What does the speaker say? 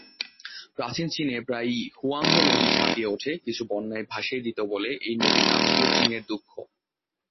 প্রাচীন চীনে প্রায়ই হুয়াংহো নদী ছাপিয়ে উঠে সবকিছু বন্যায় ভাসিয়ে দিত বলে এই নদীর নাম ছিল "চিনের দুঃখ"।